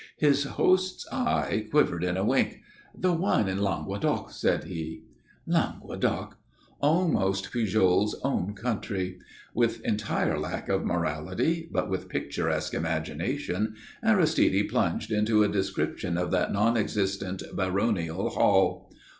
His host's eye quivered in a wink. "The one in Languedoc," said he. Languedoc! Almost Pujol's own country! With entire lack of morality, but with picturesque imagination, Aristide plunged into a description of that non existent baronial hall.